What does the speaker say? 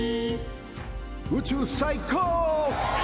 宇宙最高！